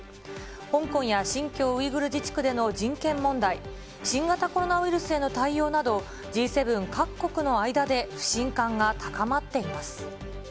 香港や新疆ウイグル自治区での人権問題、新型コロナウイルスへの対応など、Ｇ７各国の間で不信感が高まっています。